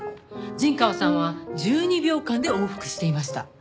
陣川さんは１２秒間で往復していました。